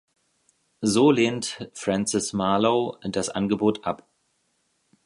So lehnt Frances Marlowe das Angebot ab.